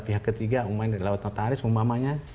pihak ketiga umumnya lewat notaris umumnya